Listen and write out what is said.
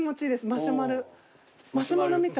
マシュマル？